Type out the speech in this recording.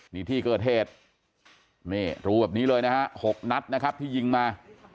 นี่ที่เกิดเหตุนี่รูแบบนี้เลยนะฮะ๖นัดนะครับที่ยิงมา